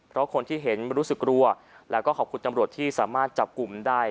เพราะคนที่เห็นรู้สึกกลัวแล้วก็ขอบคุณตำรวจที่สามารถจับกลุ่มได้